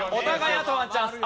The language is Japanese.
あとワンチャンス。